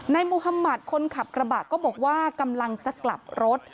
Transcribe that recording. มุธมัติคนขับกระบะก็บอกว่ากำลังจะกลับรถ